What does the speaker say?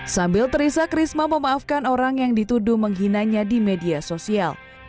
sambil terisak risma memaafkan orang yang dituduh menghinanya di media sosial